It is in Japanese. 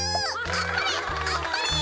あっぱれあっぱれ。